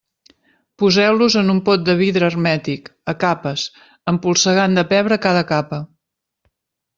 Poseu-los en un pot de vidre hermètic, a capes, empolsegant de pebre cada capa.